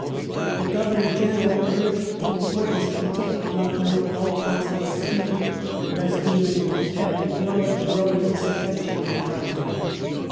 The Governor General urged the importance of retak ing Lucknow with all possible speed, and thus dealing an effective blow at the growing disaffection in Oudh.